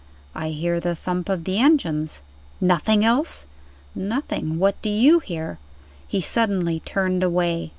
"I hear the thump of the engines." "Nothing else?" "Nothing. What do you hear?" He suddenly turned away.